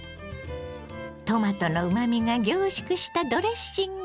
トマトのうまみが凝縮したドレッシング。